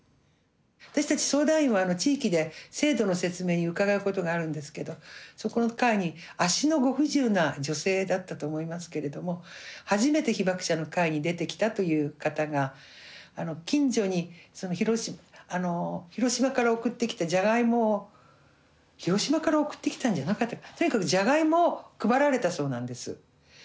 私たち相談員は地域で制度の説明に伺うことがあるんですけどそこの会に足のご不自由な女性だったと思いますけれども初めて被爆者の会に出てきたという方が近所に広島から送ってきたジャガイモを広島から送ってきたんじゃなかったかな。